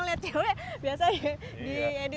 ngelihat cewek biasa ya diedit edit